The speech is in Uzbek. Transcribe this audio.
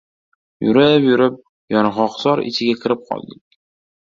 Yurib-yurib, yong‘oqzor ichiga kirib qoldik.